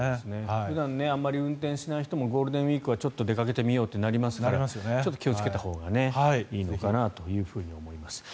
普段あまり運転しない人もゴールデンウィークはちょっと出かけてみようとなりますからちょっと気をつけたほうがいいのかなと思います。